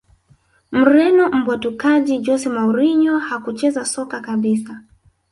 Mreno mbwatukaji Jose Mourinho hakucheza soka kabisa